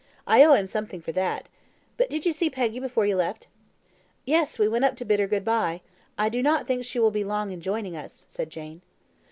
I owe him something for that. But did you see Peggy before you left?" "Yes; we went up to bid her good bye. I think she will not be long in joining us," said Jane.